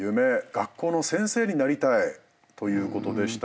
学校の先生になりたいということでしたが。